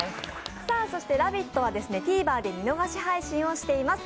「ラヴィット！」はＴＶｅｒで見逃し配信をしています。